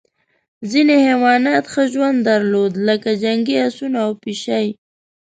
ځینې حیوانات ښه ژوند درلود لکه جنګي اسونه او پشۍ.